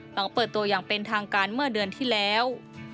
เปิดตัวอย่างเป็นทางการเมื่อเดือนที่แล้ว